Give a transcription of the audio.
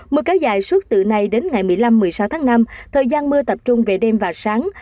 mưa kéo dài suốt từ nay đến ngày một mươi năm một mươi sáu tháng năm thời gian mưa tập trung về đêm và sáng